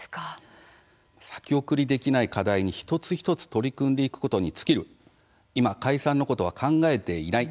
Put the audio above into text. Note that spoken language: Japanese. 先送りできない課題に一つ一つ取り組んでいくことに尽きる、今、解散のことは考えていない。